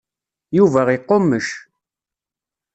Yuba iqummec.